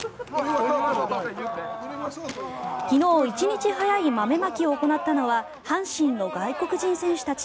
昨日１日早い豆まきを行ったのは阪神の外国人選手たち。